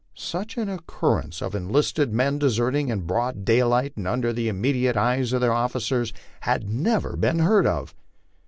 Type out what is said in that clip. Such an occurrence as enlisted men deserting in broad daylight and under the immediate eyes of their officers had never been heard of.